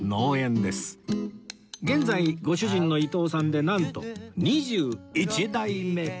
現在ご主人の伊藤さんでなんと２１代目